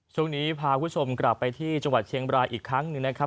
ช่วงนี้พาคุณผู้ชมกลับไปที่จังหวัดเชียงบรายอีกครั้งหนึ่งนะครับ